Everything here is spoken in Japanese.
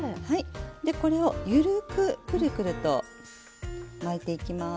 でこれを緩くクルクルと巻いていきます。